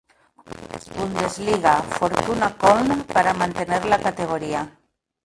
Bundesliga, Fortuna Köln, para mantener la categoría.